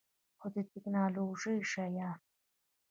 هو، د تکنالوژۍ شیان